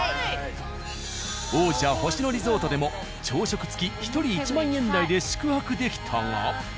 王者・星野リゾートでも朝食付き１人１万円台で宿泊できたが。